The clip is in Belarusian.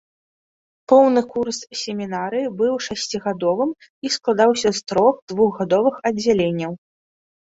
Поўны курс семінарыі быў шасцігадовым і складаўся з трох двухгадовых аддзяленняў.